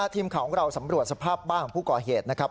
ทีมข่าวของเราสำรวจสภาพบ้านของผู้ก่อเหตุนะครับ